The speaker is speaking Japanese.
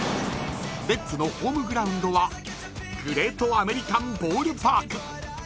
レッズのホームグラウンドはグレート・アメリカン・ボールパーク。